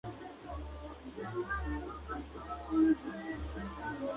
Un par de especies son cavernícolas, alimentándose de raíces en las cuevas volcánicas.